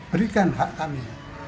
berikan hak kami